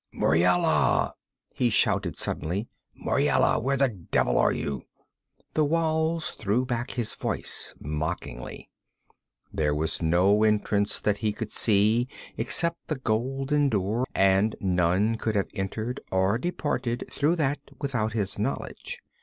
'Muriela!' he shouted suddenly. 'Muriela! Where the devil are you?' The walls threw back his voice mockingly. There was no entrance that he could see except the golden door, and none could have entered or departed through that without his knowledge.